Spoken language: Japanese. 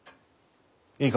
いいか？